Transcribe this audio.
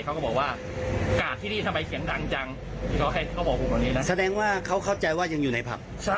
เขาก็บอกว่ากลากที่ที่ทำไมเสียงดังจังเขาว่าเขาเข้าใจว่ายังอยู่ในพัมพ์